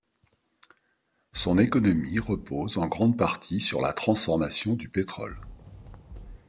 Son économie repose en grande partie sur la transformation du pétrole.